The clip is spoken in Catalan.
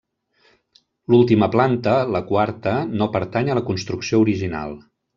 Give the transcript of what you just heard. L'última planta, la quarta, no pertany a la construcció original.